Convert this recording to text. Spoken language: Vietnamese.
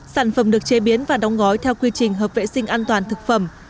sản phẩm được chế biến và đóng gói theo quy trình hợp vệ sinh an toàn thực phẩm